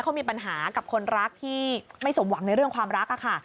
เขามีปัญหากับคนรักที่ไม่สมหวังในเรื่องความรักค่ะ